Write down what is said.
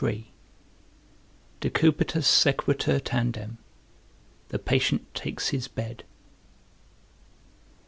DECUBITUS SEQUITUR TANDEM. _The patient takes his bed.